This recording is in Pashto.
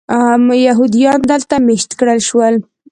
یهودیانو دلته مېشت کړل شول.